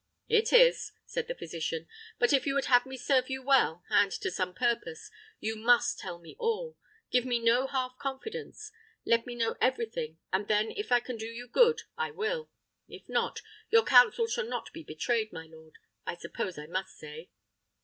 "It is," said the physician. "But if you would have me serve you well, and to some purpose, you must tell me all. Give me no half confidence. Let me know everything and then if I can do you good I will; if not, your counsel shall not be betrayed, my lord, I suppose I must say."